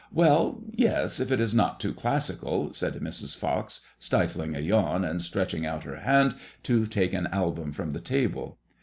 " Well, yes ; if it is not too classical," said Mrs. Fox, stifling a yawn and stretching out her hand to take an album from the table.